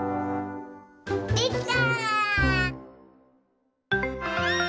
できた！